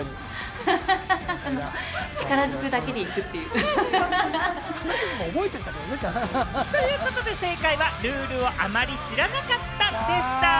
正解はこちら！ということで正解は、ルールをあまり知らなかったでした。